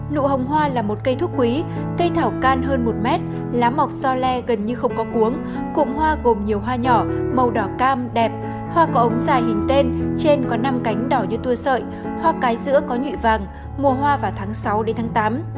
nụ hồng hoa là một cây thuốc quý cây thảo can hơn một mét lá mọc so le gần như không có cuốn cụm hoa gồm nhiều hoa nhỏ màu đỏ cam đẹp hoa có ống dài hình tên trên có năm cánh đỏ như tour sợi hoa cái giữa có nhuy vàng mùa hoa vào tháng sáu đến tháng tám